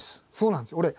そうなんですよ。